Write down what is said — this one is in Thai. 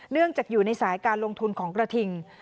เนื่องจากอยู่ในสายการลงทุนของกระทิง